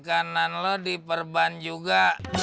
kanan lo diperban juga